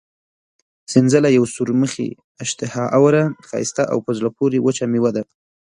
سنځله یوه سورمخې، اشتها اوره، ښایسته او په زړه پورې وچه مېوه ده.